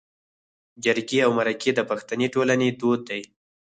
جرګې او مرکې د پښتني ټولنې دود دی